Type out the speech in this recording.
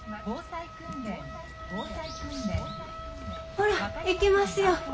ほら行きますよ。